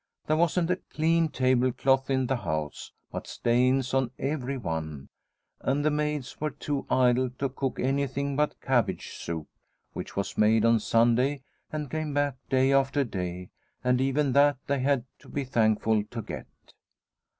There wasn't a clean table cloth in the house, but stains on every one, and Ensign Orneclou 177 the maids were too idle to cook anything but cabbage soup, which was made on Sunday and came back day after day and even that they had to be thankful to get.